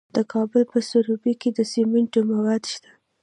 د کابل په سروبي کې د سمنټو مواد شته.